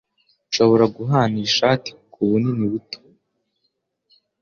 Nshobora guhana iyi shati kubunini buto?